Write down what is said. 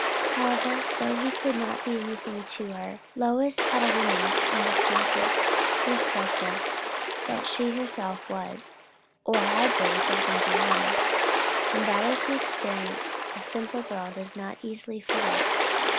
However, though he could be nothing to her, Lois had a woman's instinctive perception that she herself was, or had been, something to him; and that is an experience a simple girl does not easily forget.